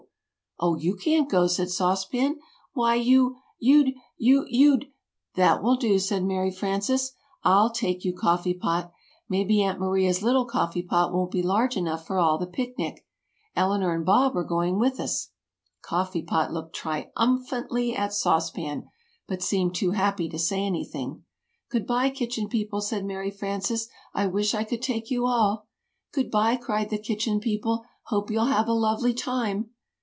"Oh, you can't go!" said Sauce Pan. "Why you! you'd you you'd " [Illustration: "Goody! Goody! I'm all ready!"] "That will do," said Mary Frances. "I'll take you, Coffee Pot. Maybe Aunt Maria's little coffee pot won't be large enough for all of the picnic. Eleanor and Bob are going with us!" Coffee Pot looked tri umph ant ly at Sauce Pan, but seemed too happy to say anything. "Good bye, Kitchen People," said Mary Frances, "I wish I could take you all." "Good bye," cried the Kitchen People; "hope you'll have a lovely time!"